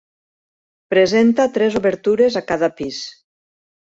Presenta tres obertures a cada pis.